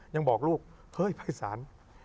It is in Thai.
ยังบอกลูกพระอาจารย์